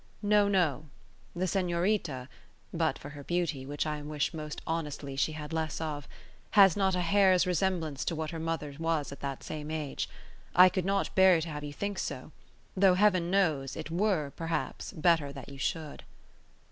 No, no; the Senorita (but for her beauty, which I wish most honestly she had less of) has not a hair's resemblance to what her mother was at the same age. I could not bear to have you think so; though, Heaven knows, it were, perhaps, better that you should."